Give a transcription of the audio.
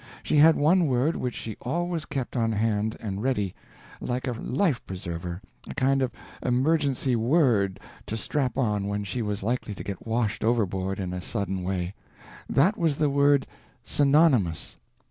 She had one word which she always kept on hand, and ready, like a life preserver, a kind of emergency word to strap on when she was likely to get washed overboard in a sudden way that was the word Synonymous.